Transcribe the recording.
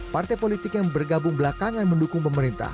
partai politik yang bergabung belakangan mendukung pemerintah